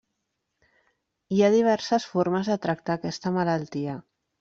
Hi ha diverses formes de tractar aquesta malaltia.